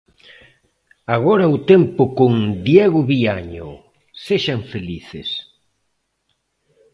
Agora o tempo con Diego Viaño, sexan felices.